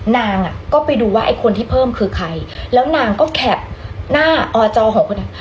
นางอ่ะก็ไปดูว่าไอ้คนที่เพิ่มคือใครแล้วนางก็แคปหน้าอจอของคนนั้น